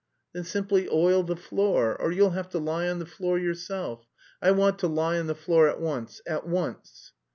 "Then simply oil the floor. Or you'll have to lie on the floor yourself. I want to lie on the floor at once, at once!"